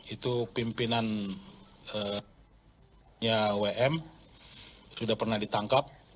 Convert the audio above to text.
itu pimpinannya wm sudah pernah ditangkap